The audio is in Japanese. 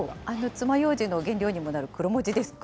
つまようじの原料にもなるクロモジですか。